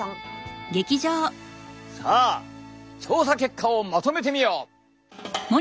さあ調査結果をまとめてみよう。